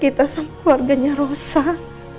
kita sama keluarganya rosak